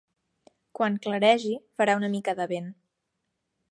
Quan claregi, farà una mica de vent.